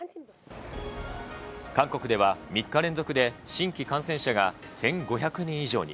韓国では３日連続で新規感染者が１５００人以上に。